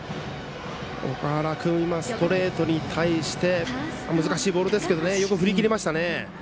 岳原君はストレートに対して難しいボールですけどよく振りきりましたね。